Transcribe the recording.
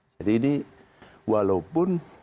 jadi ini walaupun